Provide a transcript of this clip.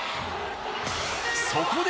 そこで。